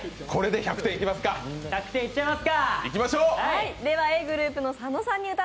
１００点いっちゃいますか。